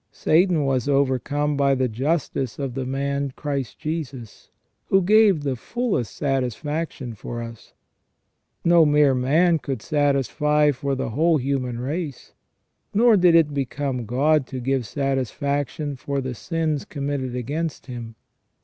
Satan was overcome by the justice of the man Christ Jesus, who gave the fullest satisfaction for us. No mere man could satisfy for the whole human race, nor did it become God to give satisfaction for the sins committed against Him.